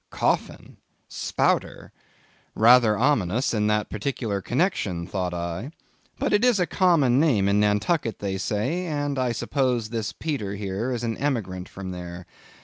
Coffin?—Spouter?—Rather ominous in that particular connexion, thought I. But it is a common name in Nantucket, they say, and I suppose this Peter here is an emigrant from there.